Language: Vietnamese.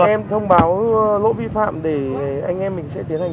em thông báo lỗi vi phạm để anh em mình sẽ tiến hành